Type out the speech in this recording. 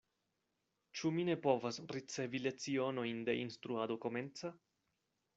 Ĉu mi ne povas ricevi lecionojn de instruado komenca?